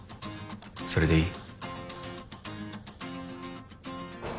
それでいい？